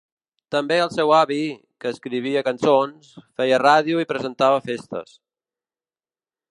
També el seu avi, que escrivia cançons, feia ràdio i presentava festes.